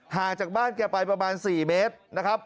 ห่างจากบ้านแกไปประมาณ๔เมตรนะครับ